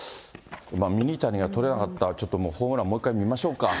ミニタニが捕れなかった、ちょっともうホームラン、もう一回見ましょうか。